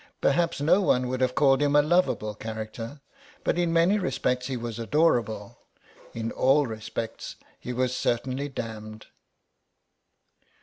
Perhaps no one would have called him a lovable character, but in many respects he was adorable; in all respects he was certainly damned.